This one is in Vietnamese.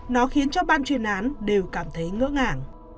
nó khiến cho ban chuyên án đều cảm thấy ngỡ ngàng